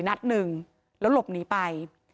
นัดหนึ่งแล้วหลบหนีไป